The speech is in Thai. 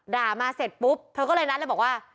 มาเสร็จปุ๊บเธอก็เลยนัดเลยบอกว่า